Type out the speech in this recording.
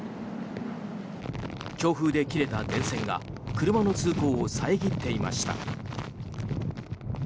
強風で切れた電線が車の通行を遮っていました。